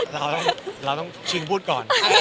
เราต้องชิงพูดก่อน